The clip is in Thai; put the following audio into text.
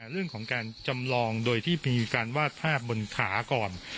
เรื่องของการจำลองโดยที่มีการวาดภาพบนขาก่อน